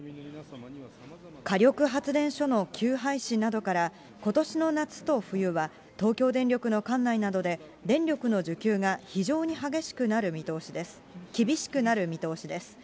火力発電所の休廃止などから、ことしの夏と冬は、東京電力の管内などで、電力の需給が非常に厳しくなる見通しです。